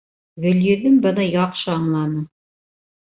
Гөлйөҙөм быны яҡшы аңланы.